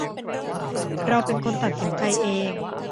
เราเป็นคนตัดสินใจเอง